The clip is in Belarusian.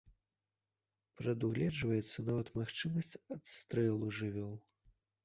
Прадугледжваецца нават магчымасць адстрэлу жывёл.